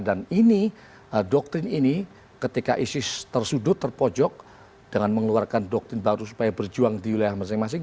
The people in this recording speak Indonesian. dan ini doktrin ini ketika isis tersudut terpojok dengan mengeluarkan doktrin baru supaya berjuang di wilayah masing masing